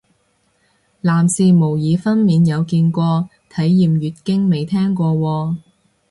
男士模擬分娩有見過，體驗月經未聽過喎